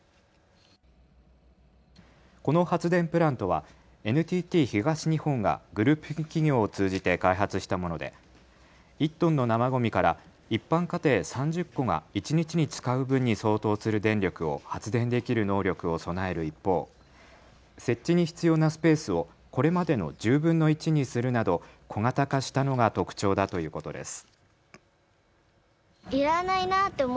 この発電プラントはＮＴＴ東日本がグループ企業を通じて開発したもので１トンの生ごみから一般家庭３０戸が一日に使う分に相当する電力を発電できる能力を備える一方、設置に必要なスペースをこれまでの１０分の１にするなど小型化したのが特徴だということです。